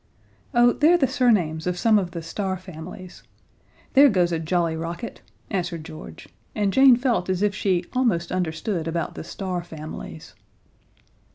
"Oh, they're the surnames of some of the star families. There goes a jolly rocket," answered George, and Jane felt as if she almost understood about the star families.